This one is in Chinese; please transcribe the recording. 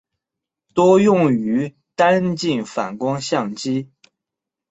多用于单镜反光相机。